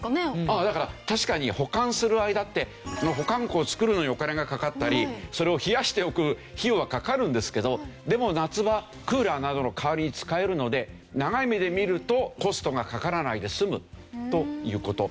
だから確かに保管する間って保管庫を造るのにお金がかかったりそれを冷やしておく費用がかかるんですけどでも夏場クーラーなどの代わりに使えるので長い目で見るとコストがかからないで済むという事。